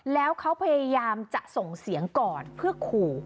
แล้วเขาพยายามจะส่งเสียงก่อนเพื่อขู่